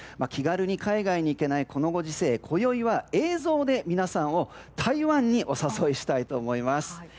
気軽に海外に行けないこのご時世今宵は映像で皆さんを台湾にお誘いしたいと思います。